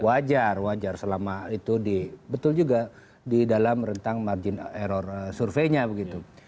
wajar wajar selama itu betul juga di dalam rentang margin error surveinya begitu